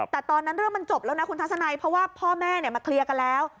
แต่ตอนนั้นเรื่องมันจบแล้วนะคุณทัศนัยเพราะว่าพ่อแม่มาเคลียร์กันแล้ว